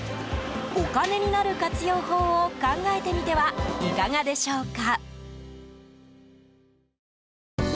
お金になる活用法を考えてみてはいかがでしょうか？